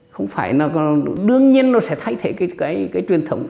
không phải là đương nhiên nó sẽ thay thế cái truyền thống